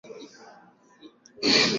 Mkewe ni mwenye bidii sana.